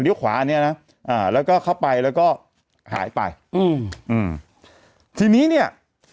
ขวาอันเนี้ยนะอ่าแล้วก็เข้าไปแล้วก็หายไปอืมอืมทีนี้เนี้ย